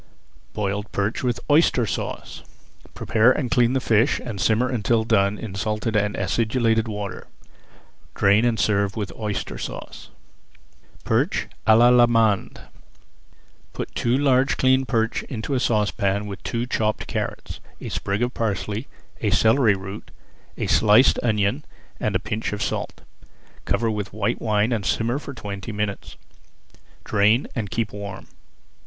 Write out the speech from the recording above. BOILED PERCH WITH OYSTER SAUCE Prepare and clean the fish and simmer until done in salted and acidulated water. Drain and serve with Oyster Sauce. PERCH À L'ALLEMANDE Put two large cleaned perch into a saucepan with two chopped carrots, a sprig of parsley, a celery root, a sliced onion and a pinch of salt. Cover with white wine and simmer for twenty minutes. Drain and keep warm.